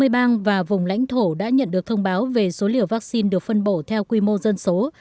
ba mươi bang và vùng lãnh thổ đã nhận được thông báo về số liều vaccine được phân bổ theo quy mô dân số